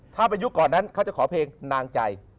ถ้าเป็นยุคก่อนนั้นเขาจะขอเพลงนางใจ